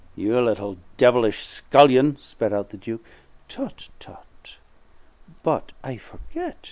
"You little devilish scullion!" spat out the Duke. "Tut, tut! But I forget.